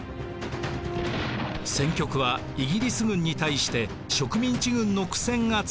戦局はイギリス軍に対して植民地軍の苦戦が続いていました。